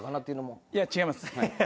いや違います。